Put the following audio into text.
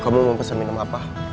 kamu mau pesen minum apa